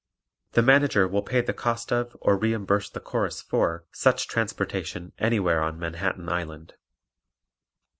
The Manager will pay the cost of or reimburse the Chorus for such transportation anywhere on Manhattan Island.